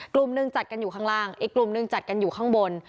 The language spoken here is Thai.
กลุ่มหนึ่งจัดกันอยู่ข้างล่างอีกกลุ่มหนึ่งจัดกันอยู่ข้างบน